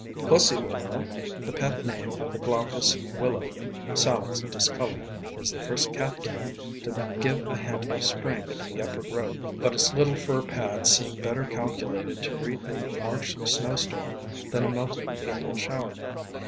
PussyWillow, the pet name of the Glaucous Wil low, Salix discolor, is the first catkin to give a hint of Spring in the uppergrowth, but its little fur pads seem better calculated to greet a March snowstorm than a melting April shower.